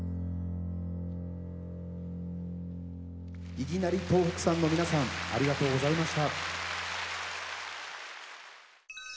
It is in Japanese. いぎなり東北産の皆さんありがとうございました。